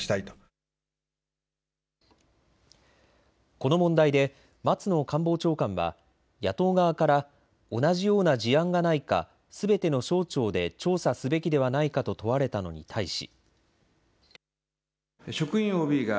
この問題で松野官房長官は野党側から同じような事案がないかすべての省庁で調査すべきではないかと問われたのに対し。